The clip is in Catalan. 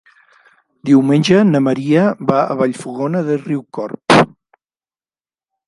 Diumenge na Maria va a Vallfogona de Riucorb.